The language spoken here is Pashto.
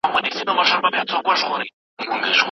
« رېبو به هغه چي مو کرلي »